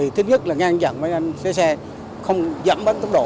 thứ nhất là ngăn chặn với anh xe xe không dám bắt tốc độ